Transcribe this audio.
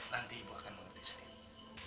nanti ibu akan memetik sendiri